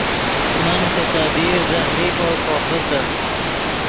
من پے تے دیر زہریکو کوفیتے